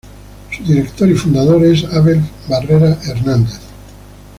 Su director y fundador es Abel Barrera Hernández.